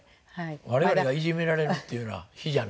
我々がいじめられるっていうような比じゃないんですよね。